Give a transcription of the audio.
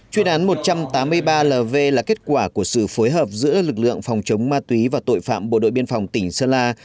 chuyên án một trăm tám mươi ba lv là kết quả của sự phối hợp giữa lực lượng phòng chống ma túy và tội phạm bộ đội biên phòng tỉnh sơn la